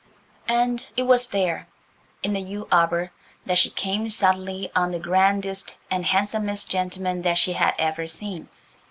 And it was there, in a yew arbour, that she came suddenly on the grandest and handsomest gentleman that she had ever seen.